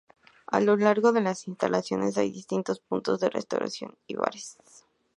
A lo largo de las instalaciones hay distintos puntos de restauración y bares.